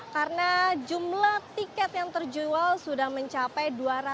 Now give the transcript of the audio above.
karena jumlah tiket yang terjual sudah mencapai